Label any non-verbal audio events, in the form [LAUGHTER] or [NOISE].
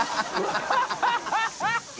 ハハハ [LAUGHS]